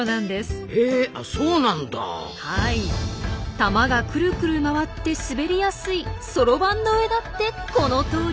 玉がクルクル回って滑りやすいそろばんの上だってこのとおり。